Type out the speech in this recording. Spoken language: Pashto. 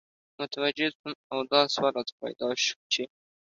متوجه سوم او دا سوال راته پیدا سو چی